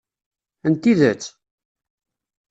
N tidet?